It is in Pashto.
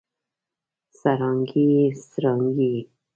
سرانګې ئې ، څرانګې ئې